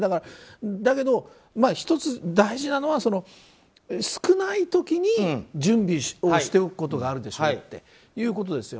だけど、１つ大事なのは少ない時に準備をしておくことがあるでしょうということですよ。